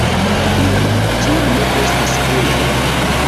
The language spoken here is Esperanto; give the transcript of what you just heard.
Diru, ĉu li ne estas hejme?